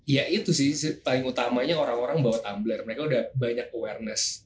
ya itu sih paling utamanya orang orang bawa tumbler mereka udah banyak awareness